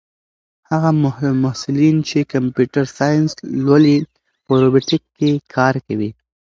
هغه محصلین چې کمپیوټر ساینس لولي په روبوټیک کې کار کوي.